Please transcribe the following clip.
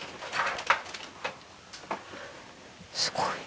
すごい。